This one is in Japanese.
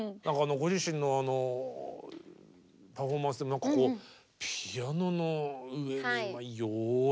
ご自身のパフォーマンスでも何かこうピアノの上に妖艶にね。